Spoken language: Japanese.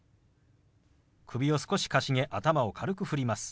首を少しかしげ頭を軽く振ります。